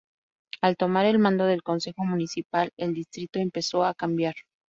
Al tomar el mando del Concejo Municipal, el distrito empezó a cambiar.